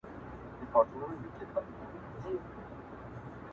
هغه وخت توجیه کېږي چې نظام